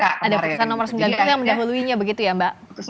ada putusan nomor sembilan puluh yang mendahuluinya begitu ya mbak